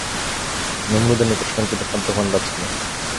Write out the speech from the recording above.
নমরূদের নিকট সঞ্চিত খাদ্য ভাণ্ডার ছিল।